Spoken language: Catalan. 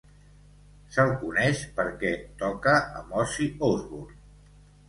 Se'l coneix perquè toca amb Ozzy Osbourne.